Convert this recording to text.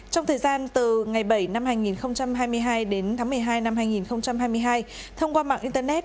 trong thời gian từ ngày bảy năm hai nghìn hai mươi hai đến tháng một mươi hai năm hai nghìn hai mươi hai thông qua mạng internet